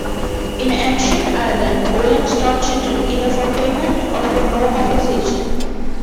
In Ancient Ireland, ollams taught children either for payment or for no compensation.